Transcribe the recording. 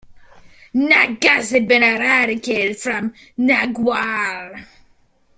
Nagas had been eradicated from Nagaur.